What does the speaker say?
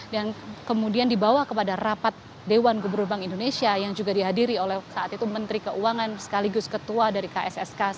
dan kemudian dibawa kepada rapat dewan gebur bank indonesia yang juga dihadiri oleh saat itu menteri keuangan sekaligus ketua dari kssk